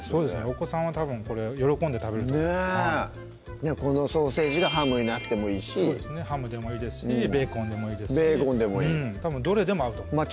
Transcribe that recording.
お子さんはたぶんこれ喜んで食べるとこのソーセージがハムになってもいいしハムでもいいですしベーコンでもいいですしベーコンでもいいたぶんどれでも合うと思います